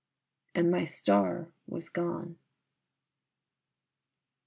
and my star was gone.